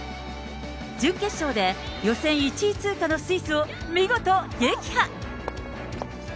準決勝で予選１位通過のスイスを見事撃破。